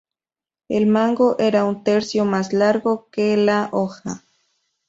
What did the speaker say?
El mango era un tercio más largo que la hoja.